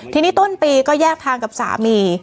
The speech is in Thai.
ทีนี้ต้นปีก็แยกทางกับสามี